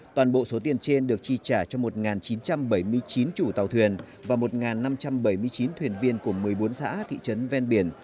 toàn bộ số tiền trên được chi trả cho một chín trăm bảy mươi chín chủ tàu thuyền và một năm trăm bảy mươi chín thuyền viên của một mươi bốn xã thị trấn ven biển